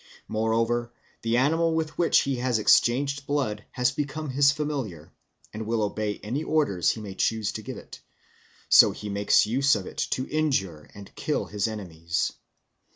Moreover, the animal with which he has exchanged blood has become his familiar, and will obey any orders he may choose to give it; so he makes use of it to injure and kill his enemies.